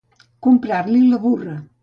Comprar-li la burra.